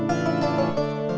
gak ada yang peduli